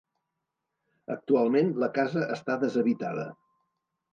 Actualment la casa està deshabitada.